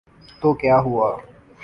تو کیا ہوا۔